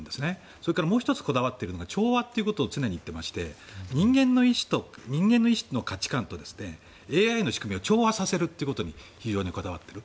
それから、もう１つこだわっているのが調和と常に言っていまして人間の意志の価値観とＡＩの仕組みを調和させるということに非常にこだわっている。